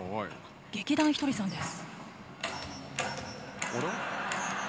劇団ひとりさんです。